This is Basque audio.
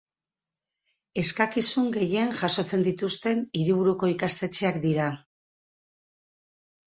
Eskakizun gehien jasotzen dituzten hiriburuko ikastetxeak dira.